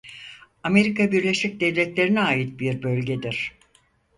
Amerika Birleşik Devletleri'ne ait bir bölgedir.